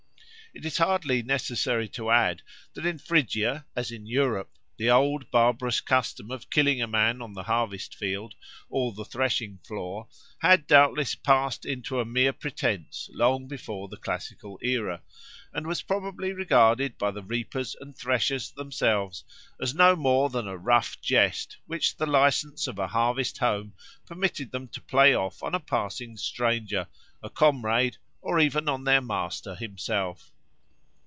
It is hardly necessary to add that in Phrygia, as in Europe, the old barbarous custom of killing a man on the harvest field or the threshing floor had doubtless passed into a mere pretence long before the classical era, and was probably regarded by the reapers and threshers themselves as no more than a rough jest which the license of a harvest home permitted them to play off on a passing stranger, a comrade, or even on their master himself.